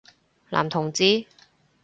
男同志？